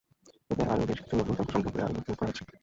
এতে আরও বেশ কিছু নতুন যন্ত্র সংযোজন করে আরও আধুনিক করা হয়েছে।